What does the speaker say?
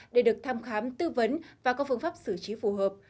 để được thăm khám tư vấn và có phương pháp xử trí phù hợp